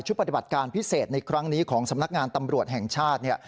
ปฏิบัติการพิเศษในครั้งนี้ของสำนักงานตำรวจแห่งชาติเนี่ย